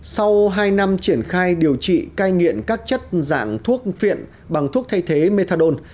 sau hai năm triển khai điều trị cai nghiện các chất dạng thuốc phiện bằng thuốc thay thế methadone